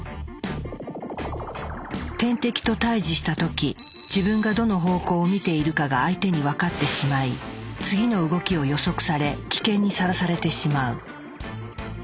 天敵と対峙した時自分がどの方向を見ているかが相手に分かってしまい次の動きを予測され危険にさらされてしまう。